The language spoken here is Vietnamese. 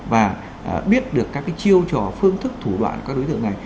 và biết được các chiêu trò phương thức thủ đoạn của các đối tượng này